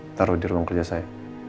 ditaruh di ruang kerja saya